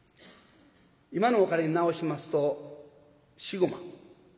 今のお金になおしますと４５万。